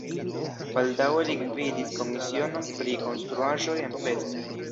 Baldaŭe li gvidis komisionon pri konstruaĵoj en Pest.